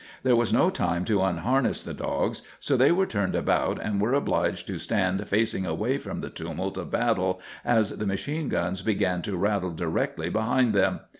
There was no time to unharness the dogs, so they were turned about and were obliged to stand facing away from the tumult of battle as the machine guns began to rattle directly behind them.